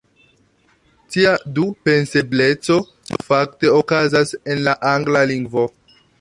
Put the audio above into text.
Tia "du-pensebleco" fakte okazas en la angla lingvo.